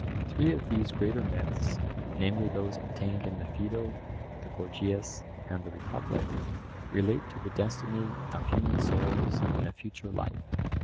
Three of these greater myths, namely those contained in the Phaedo, the Gorgias and the Republic, relate to the destiny of human souls in a future life.